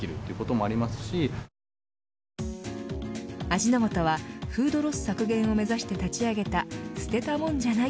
味の素は、フードロス削減を目指して立ち上げた捨てたもんじゃない！